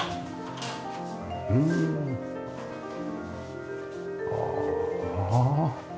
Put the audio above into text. うん。ああ。